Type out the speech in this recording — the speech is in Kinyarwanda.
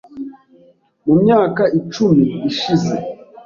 mu myaka icumi ishize